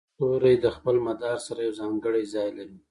هر ستوری د خپل مدار سره یو ځانګړی ځای لري.